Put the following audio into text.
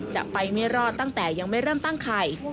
จะไปไม่รอดตั้งแต่ยังไม่เริ่มตั้งไข่